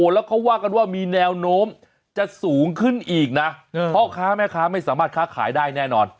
แล้วเขาว่ากันว่ามีแนวโน้มจะสูงขึ้นอีกนะพ่อค้าแม่ค้าไม่สามารถค้าขายได้แน่นอน